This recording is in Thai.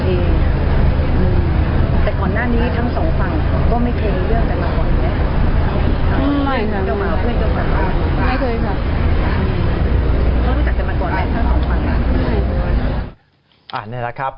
แต่ขอน่านนี้ทั้งสองฝั่งก็ไม่เคยเลื่อมจะมาวอลอย่างนี้